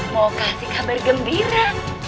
mau kasih kabar gembira